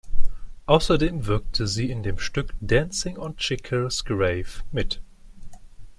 Außerdem wirkte sie in dem Stück "Dancing On Checkers’ Grave" mit.